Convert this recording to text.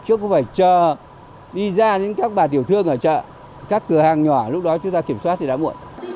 chứ không phải chờ đi ra đến các bà tiểu thương ở chợ các cửa hàng nhỏ lúc đó chúng ta kiểm soát thì đã muộn